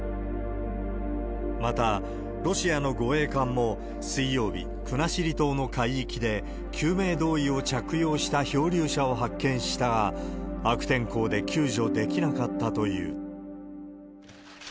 また、ロシアの護衛艦も水曜日、国後島の海域で、救命胴衣を着用した漂流者を発見したが、悪天候で救助できなかったという。